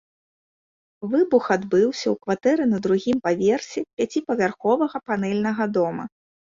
Выбух адбыўся ў кватэры на другім паверсе пяціпавярховага панэльнага дома.